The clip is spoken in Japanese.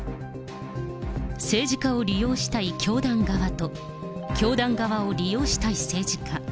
政治家を利用したい教団側と、教団側を利用したい政治家。